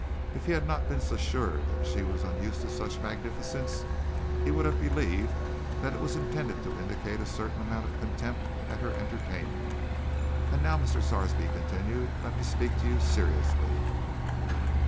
If he had not been so sure that she was unused to such magnificence, he would have believed that it was intended to indicate a certain amount of contempt at her entertainment. "And now," Mr. Sarsby continued, "let me speak to you seriously."